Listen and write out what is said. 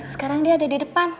sekarang dia ada di depan